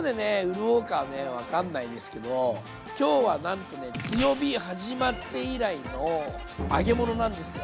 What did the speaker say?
潤うかは分かんないですけど今日はなんとね強火始まって以来の揚げ物なんですよ！